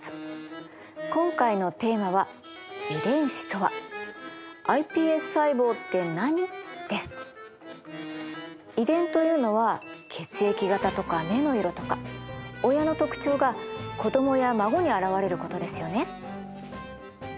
今回のテーマは遺伝というのは血液型とか目の色とか親の特徴が子供や孫にあらわれることですよね。